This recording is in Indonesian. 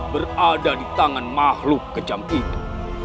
berada di tangan makhluk kejam itu